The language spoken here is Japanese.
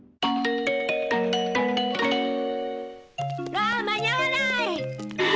わあ間に合わない！